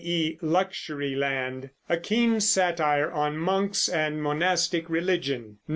e. "Luxury Land," a keen satire on monks and monastic religion.